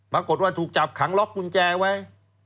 ปรากฏว่าถูกจับขังล็อกกุญแจไว้